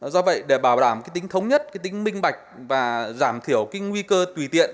do vậy để bảo đảm tính thống nhất tính minh bạch và giảm thiểu nguy cơ tùy tiện